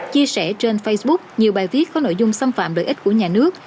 chia sẻ trên facebook nhiều bài viết có nội dung xâm phạm lợi ích của nhà nước